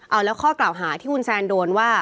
เอาแล้วข้อกล่าวหาที่คุณแซนโดนว่า